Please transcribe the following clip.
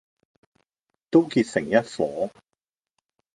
都結成一夥，